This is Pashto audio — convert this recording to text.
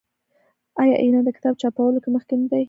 آیا ایران د کتاب چاپولو کې مخکې نه دی؟